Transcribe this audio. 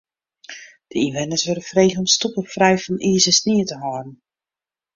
De ynwenners wurdt frege om stoepen frij fan iis en snie te hâlden.